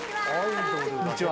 こんにちは！